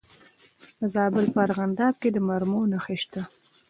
د زابل په ارغنداب کې د مرمرو نښې شته.